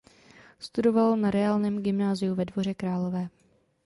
Studoval na reálném gymnáziu ve Dvoře Králové.